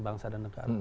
bangsa dan negara